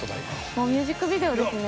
◆もうミュージックビデオですね。